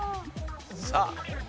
さあ。